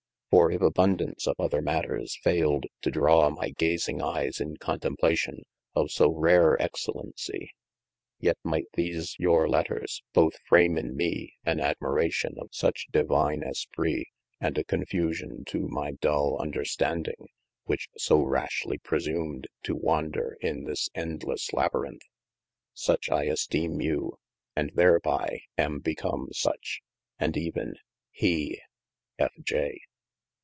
For if aboundance of other matters fayled to drawe my gazing eyes in contemplation of so rare excellency, yet might these your letters both frame in me an admiration of such divine esprite, and a confusion too my dull understanding, whiche so rashly presumed too wander in this endles Laberinth. Such I esteeme you, and thereby am become such, and even HE. F. y.